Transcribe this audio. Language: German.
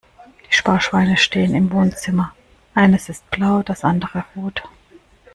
Die Sparschweine stehen im Wohnzimmer, eines ist blau das andere rot.